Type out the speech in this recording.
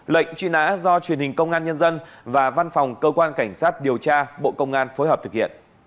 đó là điều quý vị cần hết sức chú ý